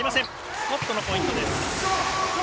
スコットのポイントです。